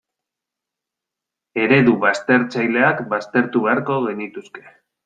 Eredu baztertzaileak baztertu beharko genituzke.